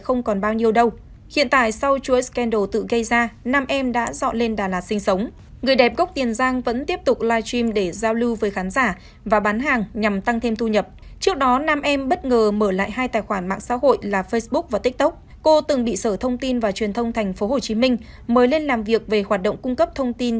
ông bùi hữu cường người quản lý của nam em mới lên làm việc về hoạt động cung cấp thông tin